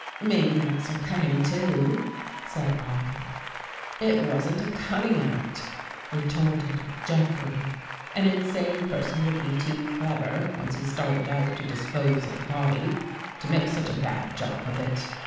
" Maniacs are cunning, too," said I. " It wasn't a cunning act," retorted Jeffrey. " An insane person would be too clever, once he started out to dispose of the body, to make such a bad job of it.